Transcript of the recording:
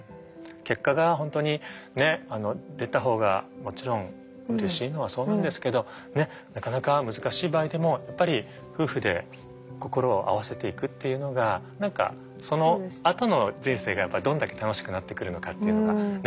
結果が本当に出たほうがもちろんうれしいのはそうなんですけどなかなか難しい場合でもやっぱり夫婦で心を合わせていくっていうのが何かそのあとの人生がどんだけ楽しくなってくるのかっていうのがね。